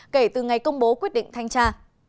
kể từ ngày công bố quyết định thanh tra